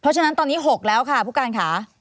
เพราะฉะนั้นตอนนี้๖แล้วค่ะผู้การค่ะ